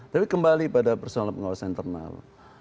tapi kembali pada personal pengawasan internal